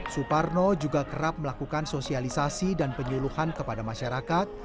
suparno juga kerap melakukan sosialisasi dan penyuluhan kepada masyarakat